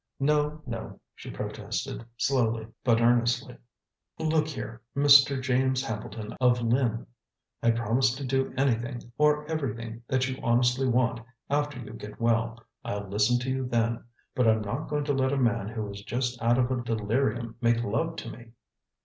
"No, no," she protested, slowly but earnestly. "Look here, Mr. James Hambleton, of Lynn! I promise to do anything, or everything, that you honestly want, after you get well. I'll listen to you then. But I'm not going to let a man who is just out of a delirium make love to me."